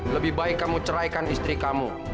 lebih baik kamu ceraikan istri kamu